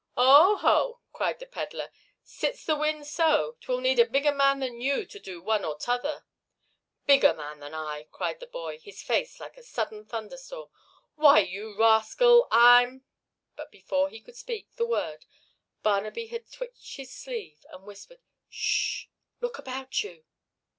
"Oh ho!" cried the pedler. "Sits the wind so? 'Twill need a bigger man than you to do one or t'other." "Bigger than I!" cried the boy, his face like a sudden thunder storm. "Why, you rascal you, I'm " But before he could speak the word Barnaby had twitched his sleeve, and whispered, "Ssh look about you."